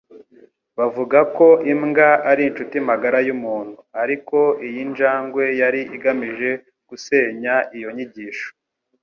Bavuga ko imbwa ari inshuti magara yumuntu, ariko iyi njangwe yari igamije gusenya iyo nyigisho.